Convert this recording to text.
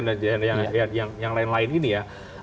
dan yang lain lain ini ya